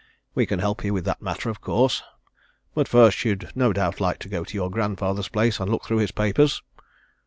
We can help you with that matter, of course. But first you'd no doubt like to go to your grandfather's place and look through his papers?